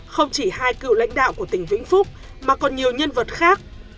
không chỉ hai cựu lãnh đạo của tỉnh vĩnh phúc mà còn nhiều nhân vật khác